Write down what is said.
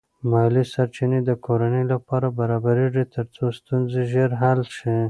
مالی سرچینې د کورنۍ لپاره برابرېږي ترڅو ستونزې ژر حل شي.